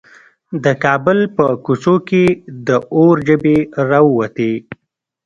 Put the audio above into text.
د کابل په کوڅو کې د اور ژبې راووتې.